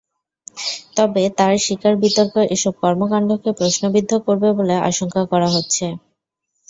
তবে তাঁর শিকারবিতর্ক এসব কর্মকাণ্ডকে প্রশ্নবিদ্ধ করবে বলে আশঙ্কা করা হচ্ছে।